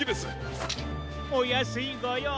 おやすいごよう。